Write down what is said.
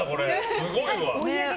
すごいわ。